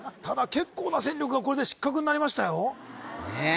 ただ結構な戦力がこれで失格になりましたよね